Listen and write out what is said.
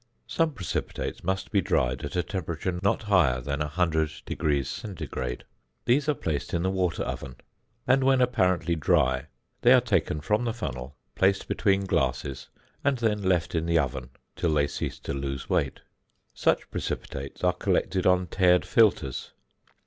Some precipitates must be dried at a temperature not higher than 100° C. These are placed in the water oven (fig. 20), and, when apparently dry, they are taken from the funnel, placed between glasses, and then left in the oven till they cease to lose weight. Such precipitates are collected on tared filters.